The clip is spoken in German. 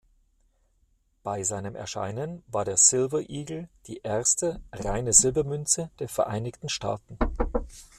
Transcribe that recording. Bei seinem Erscheinen war der Silver Eagle die erste reine Silbermünze der Vereinigten Staaten.